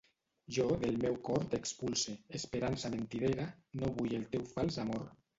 Jo del meu cor t'expulse, esperança mentidera, no vull el teu fals amor.